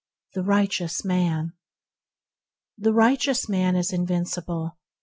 THE RIGHTEOUS MAN >"T" V HE righteous man is invincible.